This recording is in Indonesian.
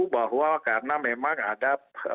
bahwa karena memang ada